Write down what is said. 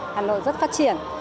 hà nội rất phát triển